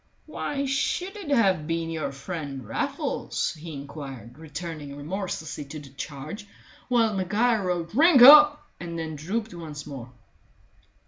"Why should it have been your friend Raffles?" he inquired, returning remorselessly to the charge, while Maguire roared "Drink up!" and then drooped once more.